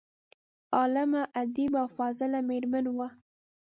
عالمه، ادیبه او فاضله میرمن وه.